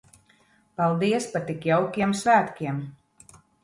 Paldies par tik jaukiem svētkiem!